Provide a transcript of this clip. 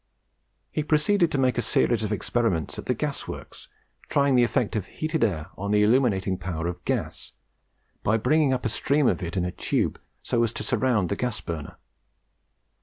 He proceeded to make a series of experiments at the Gas works, trying the effect of heated air on the illuminating power of gas, by bringing up a stream of it in a tube so as to surround the gas burner.